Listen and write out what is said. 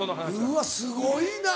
うわすごいな。